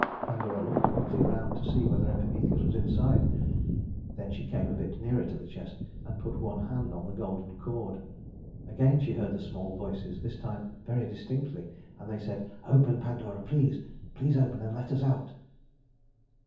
Pandora looked quickly around to see whether Epimetheus were in sight, then she came a bit nearer to the chest and put one hand on the golden cord. Again she heard the small voices, this time very distinctly, and they said: "Open, Pandora, please, please open and let us out."